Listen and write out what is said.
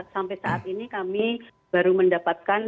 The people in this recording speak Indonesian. sampai saat ini kami baru mendapatkan